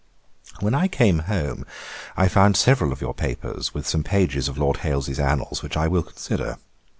'When I came home, I found several of your papers, with some pages of Lord Hailes's Annals, which I will consider.